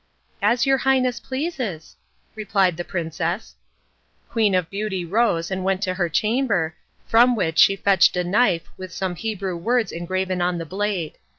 "As your Highness pleases," replied the princess. Queen of Beauty rose and went to her chamber, from which she fetched a knife with some Hebrew words engraven on the blade.